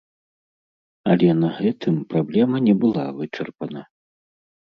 Але на гэтым праблема не была вычарпана.